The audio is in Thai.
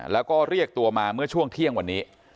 แล้วก็เรียกตัวมาเมื่อช่วงเที่ยงวันนี้